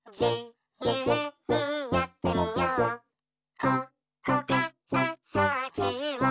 「ここからさきは」